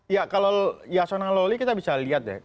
ya kalau ya sonalawli kita bisa lihat ya